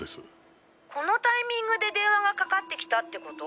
このタイミングで電話がかかってきたってこと？